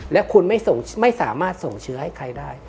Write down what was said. และคุณไม่สามารถส่งเชื้อให้ใครได้